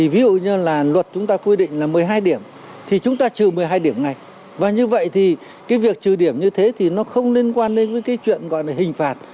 và như vậy thì cái việc trừ điểm như thế thì nó không liên quan đến cái chuyện gọi là hình phạt